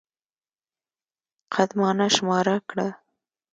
قدمانه شماره کړه.